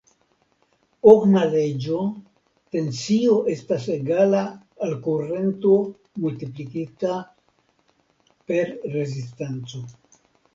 Ohma Leĝo: Tensio estas egala al kurento multiplikita per rezistanco.